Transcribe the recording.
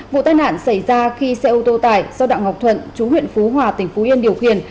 vụ tai nạn xảy ra khi xe ô tô tải do đạo ngọc thuận chú huyện phú hòa tỉnh phú yên điều khiển